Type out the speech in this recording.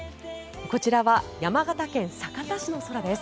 こちらは山形県酒田市の空です。